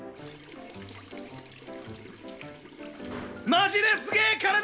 マジですげえ体！